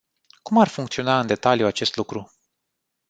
Cum ar funcționa în detaliu acest lucru?